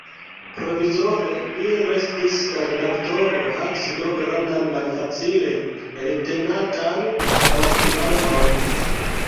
Provizore li restis redaktoro, havis do grandan, malfacile eltenatan laborkvanton.